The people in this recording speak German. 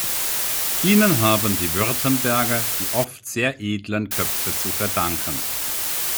Ihnen haben die Württemberger die oft sehr edlen Köpfe zu verdanken.